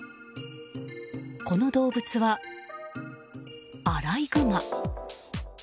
この動物は、アライグマ。